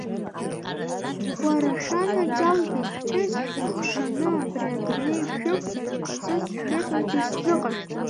Уара, шәанаџьалбеит, ԥҳәыс шәлыхшаны абри адунеи шәықәзар, аказы сшәыҳәоит, исзыҟашәҵа!